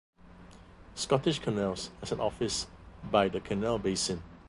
Scottish Canals has an office by the canal basin.